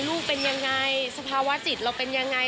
ลูกเป็นยังไงสภาวะจิตเราเป็นยังไง